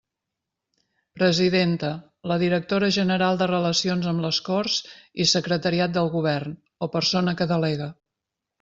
Presidenta: la directora general de Relacions amb les Corts i Secretariat del Govern o persona que delegue.